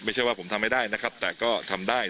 ไม่ใช่ว่าผมทำไม่ได้นะครับแต่ก็ทำได้